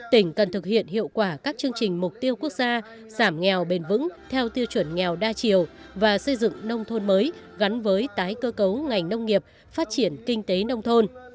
tỉnh cần thực hiện hiệu quả các chương trình mục tiêu quốc gia giảm nghèo bền vững theo tiêu chuẩn nghèo đa chiều và xây dựng nông thôn mới gắn với tái cơ cấu ngành nông nghiệp phát triển kinh tế nông thôn